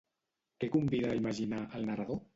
Què convida a imaginar, el narrador?